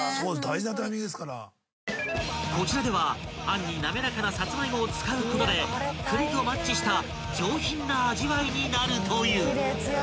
［こちらでは餡に滑らかなさつまいもを使うことで栗とマッチした上品な味わいになるという］